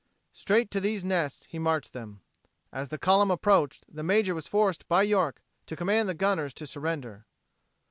Straight to these nests he marched them. As the column approached, the major was forced by York to command the gunners to surrender.